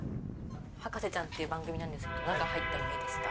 『博士ちゃん』っていう番組なんですけど中入ってもいいですか？